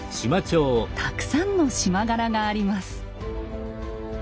たくさんの縞柄があります。